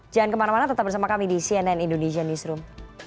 jangan kemana mana tetap bersama kami di cnn indonesian newsroom